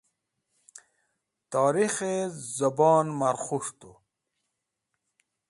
Torikh-e zabon ma’r khus̃h tu.